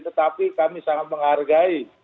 tetapi kami sangat menghargai